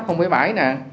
không phải bãi nè